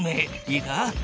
いいか。